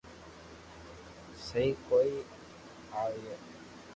سھي ڪوئي آئئئي